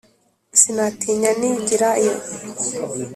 sinatinya nigira yo